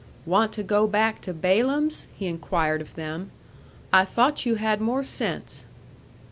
"Want to go back to Balaam's?" he inquired of them. "I thought you had more sense."